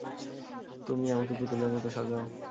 তুমি আমাকে পুতুলের মতো সাজাও।